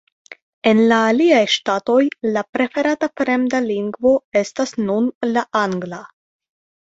En la aliaj ŝtatoj, la preferata fremda lingvo estas nun la angla.